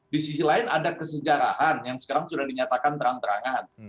di sisi lain ada kesejarahan yang sekarang sudah dinyatakan terang terangan